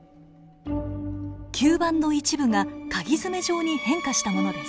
吸盤の一部がかぎ爪状に変化したものです。